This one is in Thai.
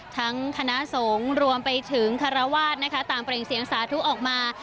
ทั้งคณะสงฆ์รวมไปถึงฆระวาสต์ตามเปลี่ยงเสียงสาธุออกมา